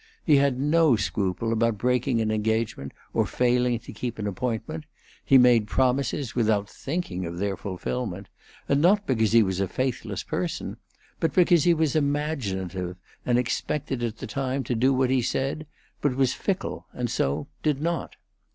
He had no scruple about breaking an engagement or failing to keep an appointment; he made promises without thinking of their fulfilment, and not because he was a faithless person, but because he was imaginative, and expected at the time to do what he said, but was fickle, and so did not.